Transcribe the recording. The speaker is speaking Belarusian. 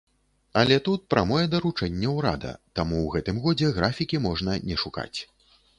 Але тут прамое даручэнне урада, таму ў гэтым годзе графікі можна не шукаць.